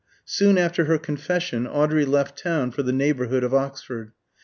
Soon after her confession Audrey left town for the neighbourhood of Oxford.